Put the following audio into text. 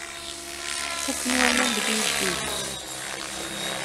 Fukken waman deg uyeddid.